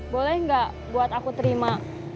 boleh nggak buat aku terima